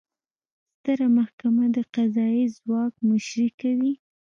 ستره محکمه د قضایي ځواک مشري کوي